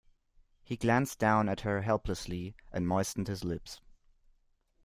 He glanced down at her helplessly, and moistened his lips.